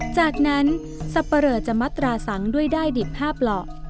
จากนั้นสัพเพราะจะมัตตราสังค์ด้วยด้ายดิบภาพหลอก